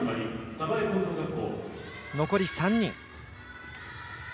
残り３人。